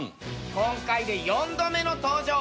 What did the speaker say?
今回で４度目の登場。